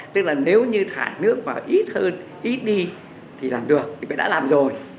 tức là nếu như thải nước vào ít hơn ít đi thì làm được thì đã làm rồi